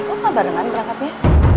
kok kabar dengan berangkatnya